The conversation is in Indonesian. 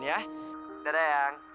ya sampai jumpa eang